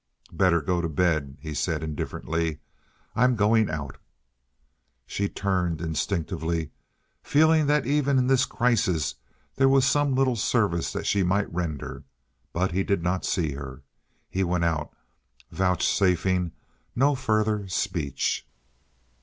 "Better go to bed," he said, indifferently. "I'm going out." She turned instinctively, feeling that even in this crisis there was some little service that she might render, but he did not see her. He went out, vouchsafing no further speech.